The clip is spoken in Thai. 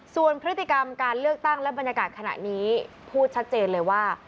ส่วนพฤติกรรมการเลือกตั้งและบรรยากาศขณะนี้พูดชัดเจนเลยว่า